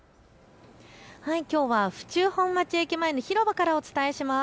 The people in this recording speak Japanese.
きょうは府中本町駅前の広場からお伝えします。